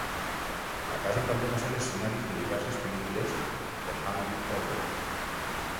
La casa també va ser escenari de diverses pel·lícules de Hammer Horror.